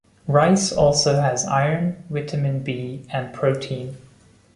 Rice also has iron, vitamin B and protein.